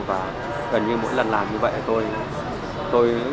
và gần như mỗi lần làm như vậy